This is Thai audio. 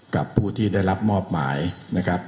กับผู้ที่ได้รับมอบหมายนะครับ